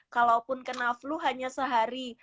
kalaupun kena flu hanya sehari